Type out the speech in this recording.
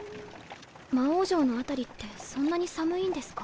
魔王城の辺りってそんなに寒いんですか？